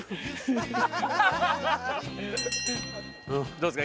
どうですか？